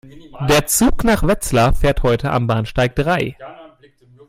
Der Zug nach Wetzlar fährt heute am Bahnsteig drei